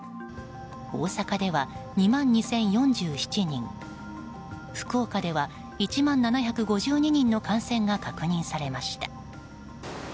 大阪では２万２０４７人福岡では１万７５２人の感染が確認されました。